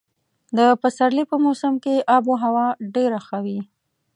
د پسرلي په موسم کې اب هوا ډېره ښه وي.